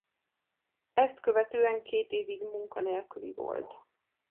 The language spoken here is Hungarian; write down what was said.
Ezt követően két évig munkanélküli volt.